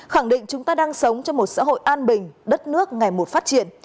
khẳng định chúng ta đang sống trong một xã hội an bình đất nước ngày một phát triển